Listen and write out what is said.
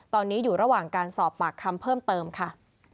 ตอนนี้อยู่ระหว่างการสอบปากคำเพิ่มเติมค่ะ